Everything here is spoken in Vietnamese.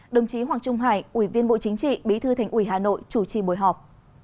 đồng chí hoàng trung hải ủy viên bộ chính trị bí thư thành ủy hà nội chủ trì buổi họp